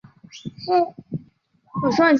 我看到吊桥了